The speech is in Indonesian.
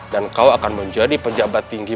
dan kau akan menjadi penjabat tinggi